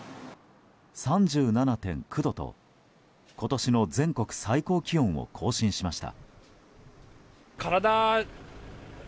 ３７．９度と、今年の全国最高気温を更新しました。